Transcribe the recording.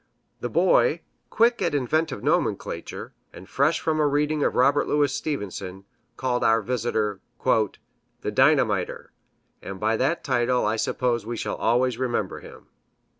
The Boy, quick at inventive nomenclature, and fresh from a reading of Robert Louis Stevenson, called our visitor "the Dynamiter," and by that title I suppose we shall always remember him.